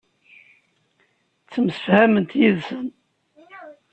Ttemsefhament yid-sen.